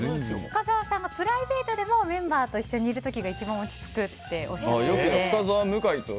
深澤さんがプライベートでもメンバーと一緒にいる時が一番落ち着くっておっしゃっていて。